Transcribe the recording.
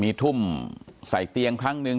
มีทุ่มใส่เตียงครั้งหนึ่ง